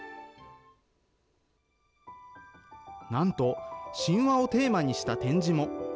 なんと、神話をテーマにした展示も。